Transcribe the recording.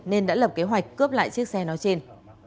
nên đã lập kế hoạch cướp lại chiếc xe nói trên